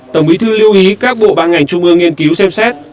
tổng bí thư lưu ý các bộ băng ảnh trung ương nghiên cứu xem xét